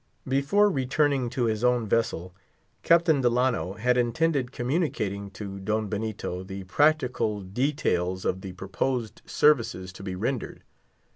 Before returning to his own vessel, Captain Delano had intended communicating to Don Benito the smaller details of the proposed services to be rendered.